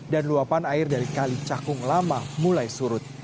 dan luapan air dari kali cakung lama mulai surut